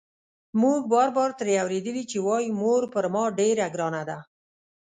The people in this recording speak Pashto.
موږ بار بار ترې اورېدلي چې وايي مور پر ما ډېره ګرانه ده.